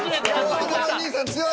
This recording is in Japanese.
華丸兄さん強い。